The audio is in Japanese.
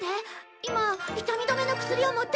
今痛み止めの薬を持ってきてあげる。